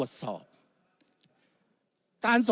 วุฒิสภาจะเขียนไว้ในข้อที่๓๐